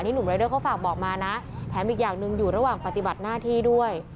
หนุ่มรายเดอร์เขาฝากบอกมานะแถมอีกอย่างหนึ่งอยู่ระหว่างปฏิบัติหน้าที่ด้วย